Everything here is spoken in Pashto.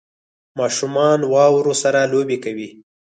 ماشومان واورو سره لوبې کوي